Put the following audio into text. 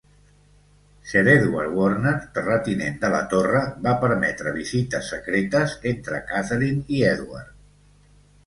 Sir Edward Warner, Terratinent de La Torre, va permetre visites secretes entre Catherine i Edward.